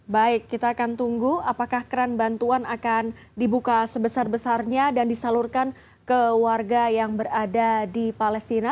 baik kita akan tunggu apakah keran bantuan akan dibuka sebesar besarnya dan disalurkan ke warga yang berada di palestina